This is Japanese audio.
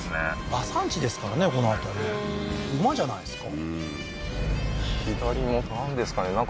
馬産地ですからねこの辺り馬じゃないですか？